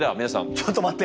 ちょっと待って！